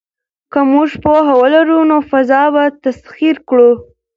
که موږ پوهه ولرو نو فضا به تسخیر کړو.